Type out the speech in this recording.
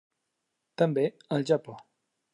També al Japó.